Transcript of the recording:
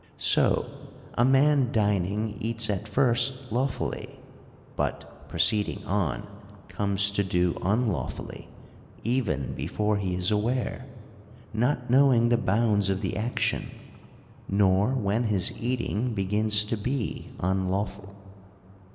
So, a man dining eats at first lawfully : but, proceeding on, comes to do unlaw fully, even before he is aware ; not knowing the bounds of the action, nor when his eating begins to be unlawful.